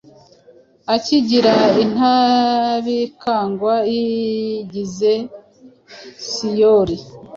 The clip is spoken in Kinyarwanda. akigira intabikangwa yigize Syoli